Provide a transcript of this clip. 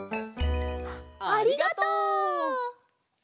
ありがとう！